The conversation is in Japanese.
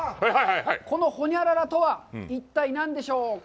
このホニャララとは一体何でしょうか？